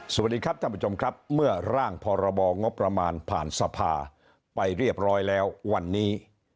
สวัสดีครับท่านผู้ชมครับเมื่อร่างพรบงบประมาณผ่านสภาไปเรียบร้อยแล้ววันนี้